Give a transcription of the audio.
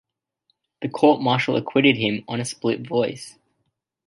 The court martial acquitted him on a split vote.